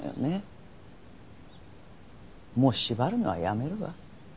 もう縛るのはやめるわ。